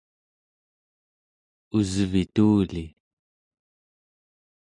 usvituli